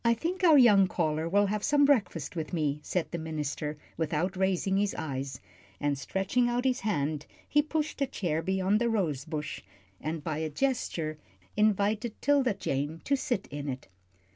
"I think our young caller will have some breakfast with me," said the minister, without raising his eyes, and stretching out his hand he pushed a chair beyond the rose bush, and by a gesture invited 'Tilda Jane to sit in it.